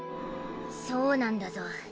そうなんだゾ。